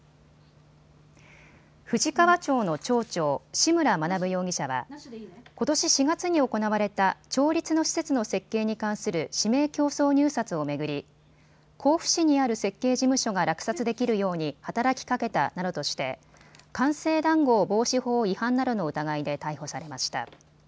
富士川町の町長、志村学容疑者はことし４月に行われた町立の施設の設計に関する指名競争入札を巡り、甲府市にある設計事務所が落札できるように働きかけたなどとして官製談合防止法違反などの疑いで逮捕されました。